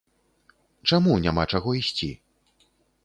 Чаму няма чаго ісці?